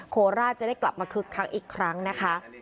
โคราชจะได้กลับมาคึกคักอีกครั้งนะคะ